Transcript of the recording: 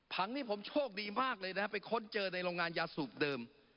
งนี่ผมโชคดีมากเลยนะครับไปค้นเจอในโรงงานยาสูบเดิม